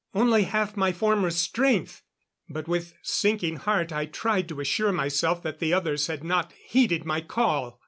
Only half my former strength; but with sinking heart I tried to assure myself that the others had not heeded my call.